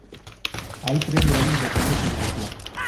Hay tres grandes volcanes en la isla.